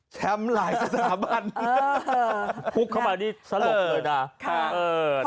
แถมหลายสถาบันเออเออฮุกเข้ามานี่สะหรบเลยนะค่ะเออค่ะ